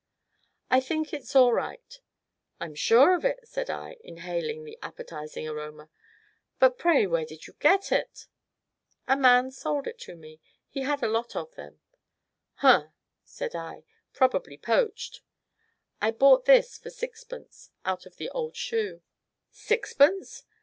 "I think it's all right!" "I'm sure of it," said I, inhaling the appetizing aroma "but, pray, where did you get it?" "A man sold it to me he had a lot of them." "Hum!" said I, "probably poached." "I bought this for sixpence out of the old shoe." "Sixpence?